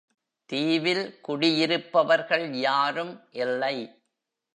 தீவில் குடியிருப்பவர்கள் யாரும் இல்லை.